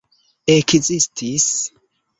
ekzistis